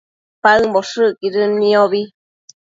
paëmboshëcquidën niobi